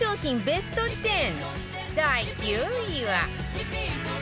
ベスト１０第９位は